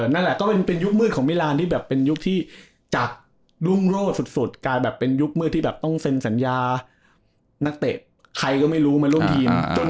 นั่นแหละก็เป็นยุคมืดของมิลานที่แบบเป็นยุคที่จากรุ่งโรดสุดกลายแบบเป็นยุคมืดที่แบบต้องเซ็นสัญญานักเตะใครก็ไม่รู้มาร่วมทีม